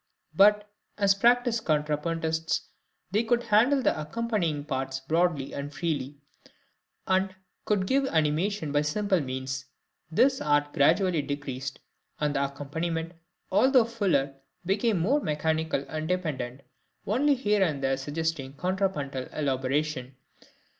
But, as practised contrapuntists, they could handle the accompanying parts broadly and freely, and could give animation by simple means. This art gradually decreased, and the accompaniment, although fuller, became more mechanical and dependent, Only here and there suggesting contrapuntal elaboration.